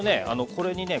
これにね